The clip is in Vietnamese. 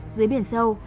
dưới biển sâu